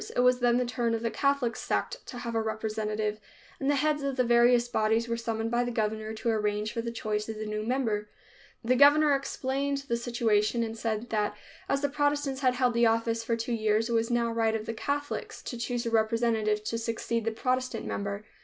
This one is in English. It was then the turn of the Catholic sect to have a representative, and the heads of the various bodies were summoned by the governor to arrange for the choice of the new member. The governor explained the situation and said that as the Protestants had held the office for two years, it was now the right of the Catholics to choose a representative to succeed the Protestant member.